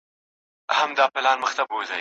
موږ ګناه کار یو په سجده کي مو توبې ماتي کړې